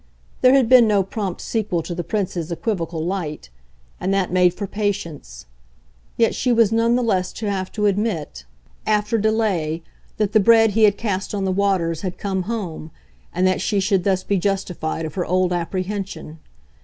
There had been no prompt sequel to the Prince's equivocal light, and that made for patience; yet she was none the less to have to admit, after delay, that the bread he had cast on the waters had come home, and that she should thus be justified of her old apprehension.